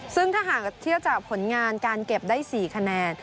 ซึ่งถ้าหากเทียบจากผลงานการเก็บได้๔คะแนน